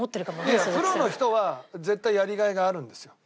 いやプロの人は絶対やりがいがあるんですよ。